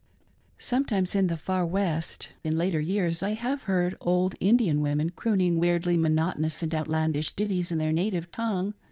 Sometimes in the Far West, in later years, I have heard old Indian women, crooning wierdly monotonous and outland ish ditties in their native tongue.